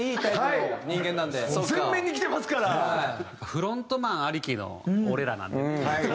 フロントマンありきの俺らなんでね。